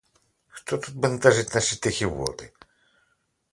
Хто тут бентежить наші тихі води?